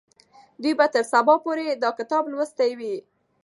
دوی به تر سبا پورې دا کتاب لوستی وي.